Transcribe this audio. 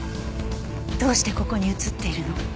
どうしてここに写っているの？